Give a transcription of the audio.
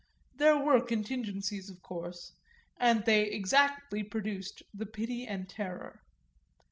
There were contingencies of course and they exactly produced the pity and terror.